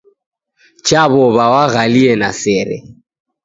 Chaw'ow'a waghalie na sere.